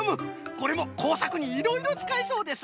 これもこうさくにいろいろつかえそうです。